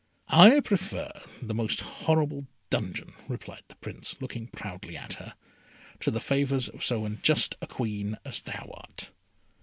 "I prefer the most horrible dungeon," replied the Prince, looking proudly at her, "to the favours of so unjust a Queen as thou art!"